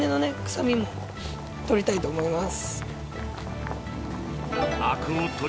臭みも取りたいと思います。